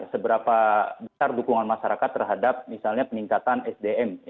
seberapa besar dukungan masyarakat terhadap misalnya peningkatan sdm